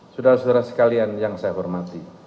sudah sudah sekalian yang saya hormati